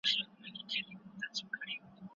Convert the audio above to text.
ځینې خلک د ناپاکو شیانو پر وړاندې ضعیف عکس العمل لري.